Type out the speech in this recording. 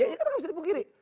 ya ini kan harus dipungkiri